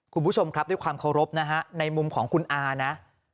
คุณผู้ชมครับด้วยความเคารพนะฮะในมุมของคุณอานะ